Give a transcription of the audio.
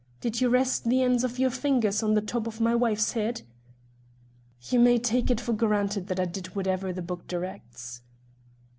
Did you rest the ends of your fingers on the top of my wife's head?" "You may take it for granted that I did whatever the book directs."